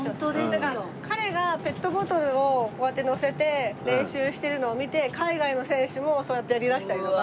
だから彼がペットボトルをこうやってのせて練習してるのを見て海外の選手もそうやってやりだしたりとか。